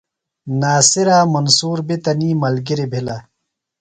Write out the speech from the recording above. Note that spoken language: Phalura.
ناصرے منصور بیۡ تنی ملگریۡ بِھلہ۔